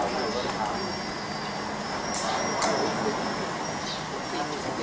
สวัสดีครับ